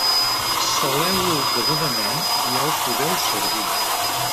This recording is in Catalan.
Saleu-ho degudament i ja ho podeu servir.